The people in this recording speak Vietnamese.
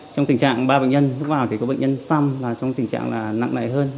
trong tình trạng ba bệnh nhân lúc nào có bệnh nhân xăm là trong tình trạng nặng nại hơn